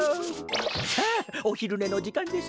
さあおひるねのじかんですね。